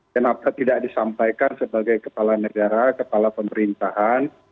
kenapa tidak disampaikan sebagai kepala negara kepala pemerintahan